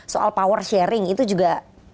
soal power sharing itu juga